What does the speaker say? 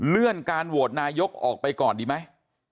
เลื่อนการโหวตนายกออกไปก่อนดีไหม